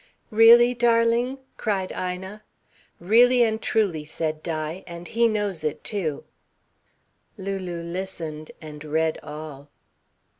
"Really, darling?" cried Ina. "Really and truly," said Di, "and he knows it, too." Lulu listened and read all.